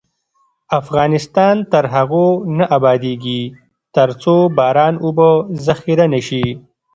افغانستان تر هغو نه ابادیږي، ترڅو باران اوبه ذخیره نشي.